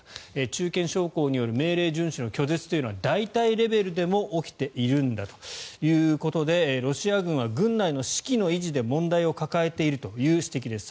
中堅将校による命令順守の拒絶というのは大隊レベルでも起きているんだということでロシア軍は軍内の士気の維持で問題を抱えているという指摘です。